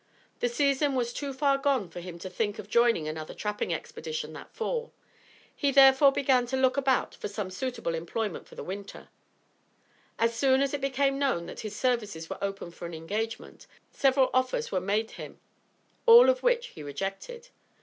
The season was too far gone for him to think of joining another trapping expedition that fall. He therefore began to look about for some suitable employment for the winter. As soon as it became known that his services were open for an engagement, several offers were made him, all of which he rejected.